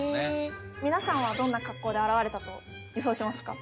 皆さんはどんな格好で現れたと予想しますか？